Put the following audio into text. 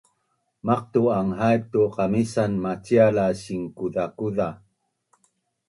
Maqtu’an haip tu qamisan macial la sinkuzakuza